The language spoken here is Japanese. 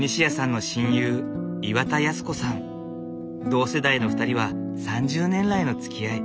同世代の２人は３０年来のつきあい。